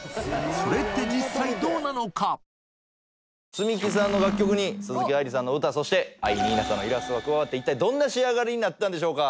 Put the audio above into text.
ツミキさんの楽曲に鈴木愛理さんの歌そして藍にいなさんのイラストが加わって一体どんな仕上がりになったんでしょうか？